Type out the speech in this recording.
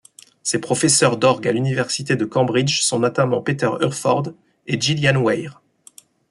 Ses professeurs d'orgue à l'université de Cambridge sont notamment Peter Hurford et Gillian Weir.